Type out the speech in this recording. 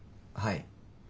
はい。